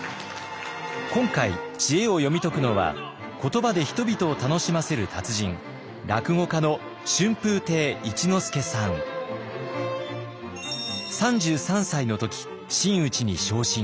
今回知恵を読み解くのは言葉で人々を楽しませる達人３３歳の時真打ちに昇進。